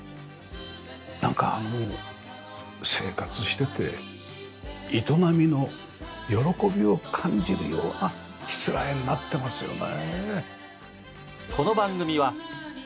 なんかあの生活してて営みの喜びを感じるようなしつらえになってますよね。